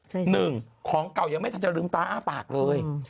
หนึ่งของเก่ายังไม่ทันจะลืมตาอ้าปากเลย